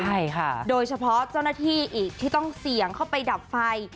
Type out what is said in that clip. ใช่ค่ะโดยเฉพาะเจ้าหน้าที่อีกที่ต้องเสี่ยงเข้าไปดับไฟ